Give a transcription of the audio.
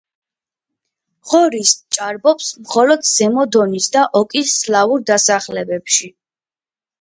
ღორი სჭარბობს მხოლოდ ზემო დონის და ოკის სლავურ დასახლებებში.